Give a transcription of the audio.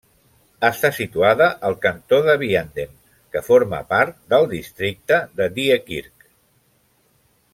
Està situada al cantó de Vianden, que forma part del districte de Diekirch.